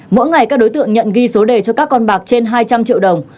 mỗi ngày các đối tượng nhận ghi số đề cho các con bạc trên hai trăm linh triệu đồng